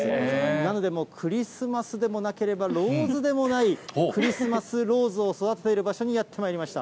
なのでクリスマスでもなければ、ローズでもない、クリスマスローズを育てている場所にやってまいりました。